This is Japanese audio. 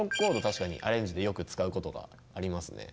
確かにアレンジでよく使うことがありますね。